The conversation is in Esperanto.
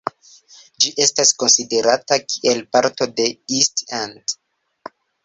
Ĝi estas konsiderata kiel parto de East End.